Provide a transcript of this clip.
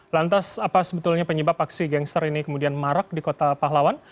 lantas apa sebetulnya penyebab aksi gangster ini kemudian marak di kota pahlawan